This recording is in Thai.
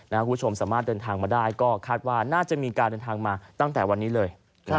คุณผู้ชมสามารถเดินทางมาได้ก็คาดว่าน่าจะมีการเดินทางมาตั้งแต่วันนี้เลย